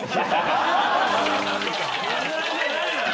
油じゃないのよ！